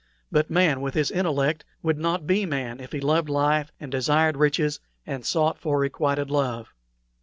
But man, with his intellect, would not be man if he loved life and desired riches and sought for requited love."